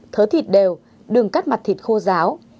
thớ thịt đều đừng cắt mặt thịt khô ráo